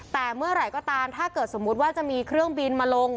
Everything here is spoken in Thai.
แต่เมื่อไหร่ก็ตามถ้าเกิดสมมุติว่าจะมีเครื่องบินมาลง